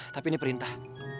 tapi ini perintah